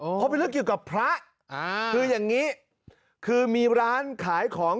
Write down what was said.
เพราะเป็นเรื่องเกี่ยวกับพระอ่าคืออย่างงี้คือมีร้านขายของ